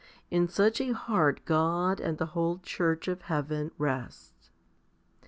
In such a heart God and the whole church of heaven rests.